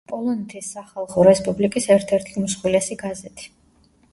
პოლონეთის სახალხო რესპუბლიკის ერთ-ერთი უმსხვილესი გაზეთი.